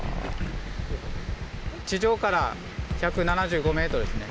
地上から１７５ｍですね。